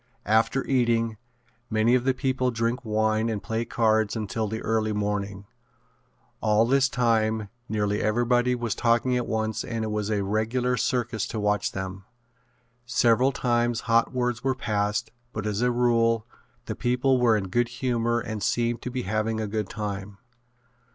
After eating, many of the people drink wine and play cards until the early morning. All this time nearly everybody was talking at once and it was a regular circus to watch them. Several times hot words were passed but as a rule the people were in good humor and seemed to be having a good time.